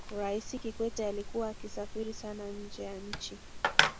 rais kikwete alikuwa akisafiri sana nje ya nchi